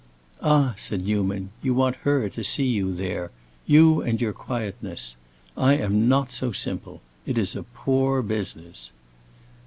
"Ah," said Newman, "you want her to see you there—you and your quietness. I am not so simple! It is a poor business."